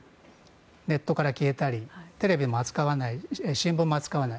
ネットから消えたりテレビも扱わない新聞も扱わない。